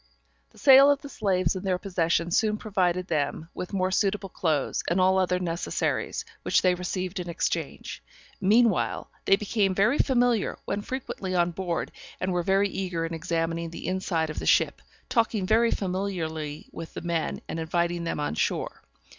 The sale of the slaves in their possession soon provided them with more suitable clothes, and all other necessaries, which they received in exchange. Meanwhile, they became very familiar, went frequently on board, and were very eager in examining the inside of the ship, talking very familiarly with the men, and inviting them on shore.